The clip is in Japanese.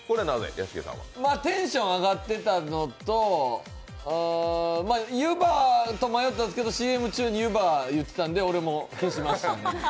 テンション上がってたのとゆばと迷ったんですけど、ＣＭ中にゆば言ってたんで俺も消しましたね。